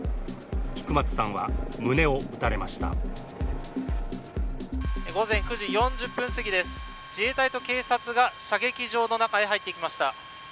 菊松さんは胸を撃たれました午前９時４０分過ぎです、自衛隊と警察が射撃場の中へ入っていきました。